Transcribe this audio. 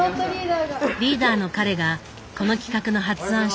リーダーの彼がこの企画の発案者。